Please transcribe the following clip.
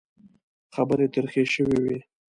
خبرې ترخې شوې وې.